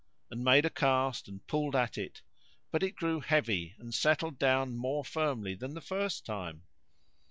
and made a cast and pulled at it, but it grew heavy and settled down more firmly than the first time.